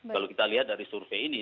kalau kita lihat dari survei ini